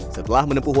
setelah menempuh wang